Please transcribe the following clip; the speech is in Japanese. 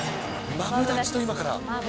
マブダチと今から。